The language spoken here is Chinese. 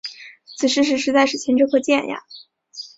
此事实在是前车可鉴啊。